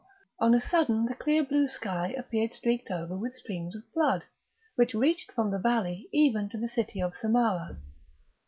on a sudden the clear blue sky appeared streaked over with streams of blood, which reached from the valley even to the city of Samarah.